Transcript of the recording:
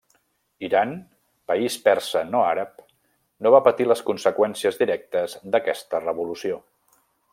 Iran, país persa no àrab, no va patir les conseqüències directes d'aquesta Revolució.